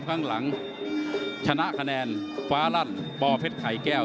ฟอร์มข้างหลังชนะคะแนนฟ้าลัดปอดเผ็ดไข่แก้ว